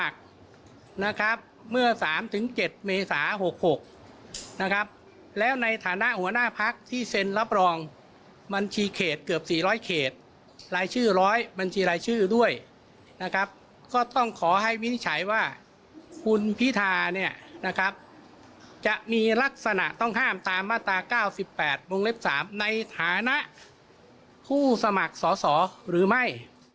คุณพิธาเนี่ยนะครับจะมีลักษณะต้องห้ามตามมาตรา๙๘ม๓ในฐานะผู้สมัครสอสอหรือไม่